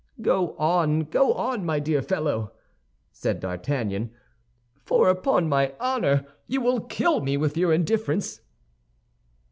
"Go on, go on, my dear fellow!" said D'Artagnan; "for upon my honor, you will kill me with your indifference."